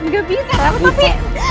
gak bisa ya tapi